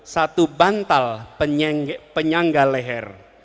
satu bantal penyangga leher